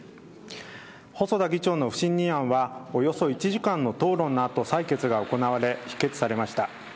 細田議長の不信任案はおよそ１時間の討論のあと採決が行われ否決されました。